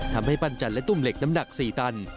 ปั้นจันทร์และตุ้มเหล็กน้ำหนัก๔ตัน